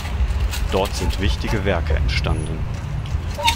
Dort sind wichtige Werke entstanden.